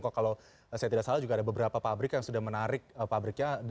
kalau saya tidak salah juga ada beberapa pabrik yang sudah menarik pabriknya